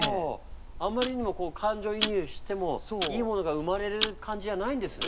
あまりにも感情移入してもいいものが生まれる感じじゃないんですね